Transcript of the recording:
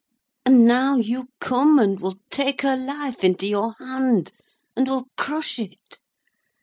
And now you, come and will take her life into your hand, and will crush it.